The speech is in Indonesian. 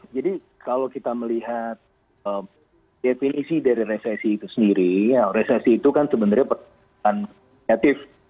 jadi kalau kita melihat definisi dari resesi itu sendiri resesi itu kan sebenarnya perkembangan kreatif